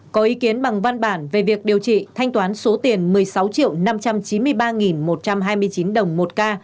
có ý kiến bằng văn bản về việc điều trị thanh toán số tiền một mươi sáu năm trăm chín mươi ba một trăm hai mươi chín đồng một ca